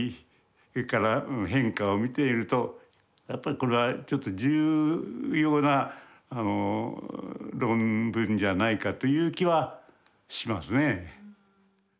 それから変化を見ているとやっぱりこれは重要な論文じゃないかという気はしますね。